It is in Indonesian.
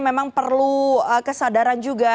memang perlu kesadaran juga